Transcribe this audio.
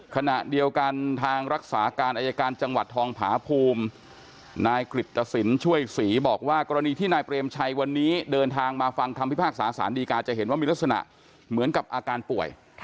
ขณะเดียวกันทางรักษาการอายการจังหวัดทองผาภูมินายกริตตสินช่วยศรีบอกว่ากรณีที่นายเปรมชัยวันนี้เดินทางมาฟังคำพิพากษาสารดีการจะเห็นว่ามีลักษณะเหมือนกับอาการป่วย